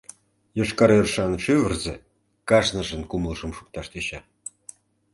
Йошкар ӧрышан шӱвырзӧ кажныжын кумылжым шукташ тӧча.